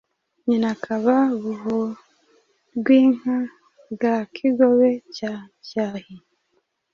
Nyina akaba Buhorwinka bwa Kigobe cya Cyahi